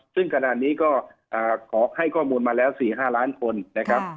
ซึ่งขณะนี้ก็ขอให้ข้อมูลมาแล้ว๔๕ล้านคนนะครับ